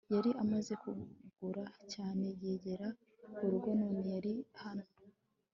yari amaze gukura cyane yegereye urugo none yari hano